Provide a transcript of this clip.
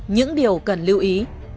những điều cần lưu ý